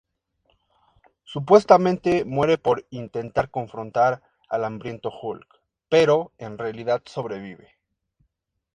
Supuestamente muere por intentar confrontar al hambriento Hulk, pero en realidad sobrevive.